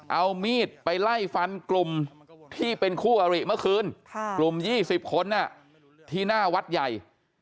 เอามีดไปไล่ฟันกลุ่มที่เป็นคู่อริเมื่อคืนกลุ่ม๒๐คนที่หน้าวัดใหญ่